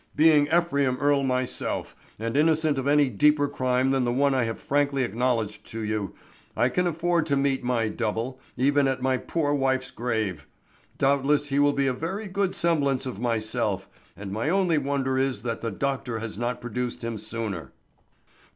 Being Ephraim Earle myself, and innocent of any deeper crime than the one I have frankly acknowledged to you, I can afford to meet my double, even at my poor wife's grave. Doubtless he will be a very good semblance of myself, and my only wonder is that the doctor has not produced him sooner."